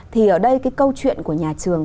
thì ở đây cái câu chuyện của nhà trường